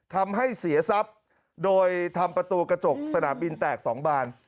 ทำให้เสียทรัพย์โดยทำประตูกระจกสนามบินแตก๒บาน